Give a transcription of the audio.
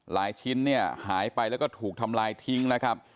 หลายชิ้นหายไปแล้วก็ถูกทำลายทิ้งนะครับ